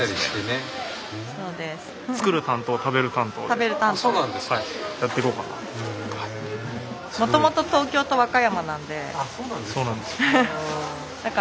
あっそうなんですか。